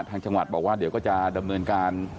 ทางจังหวัดบอกว่าเดี๋ยวก็จะดำเนินการ